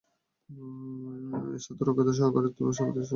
এই স্বার্থরক্ষার্থ সহকারিত্ব সর্বদেশে সর্বজাতিতে বিদ্যমান।